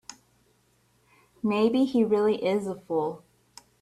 Maybe he really is a fool.